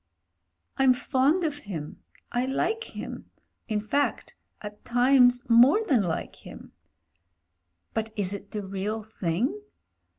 '*I'm fond of him; I like him — in fact at times more than like him. But is it the real thing?